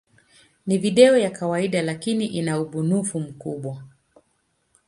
Ni video ya kawaida, lakini ina ubunifu mkubwa.